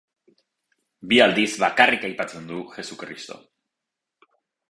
Bi aldiz bakarrik aipatzen du Jesu Kristo.